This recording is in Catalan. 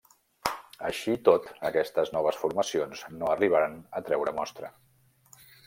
Així i tot, aquestes noves formacions no arribaren a treure mostra.